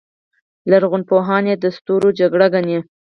لرغونپوهان یې د ستورو جګړه ګڼي.